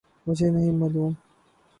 مجھے نہیں معلوم